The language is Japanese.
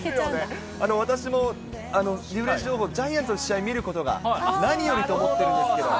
私もジャイアンツの試合見ることが何よりと思ってるんですけれども。